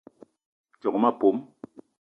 Djock ma pom